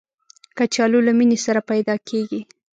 کچالو له مینې سره پیدا کېږي